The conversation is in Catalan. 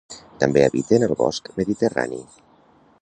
També habiten al bosc mediterrani.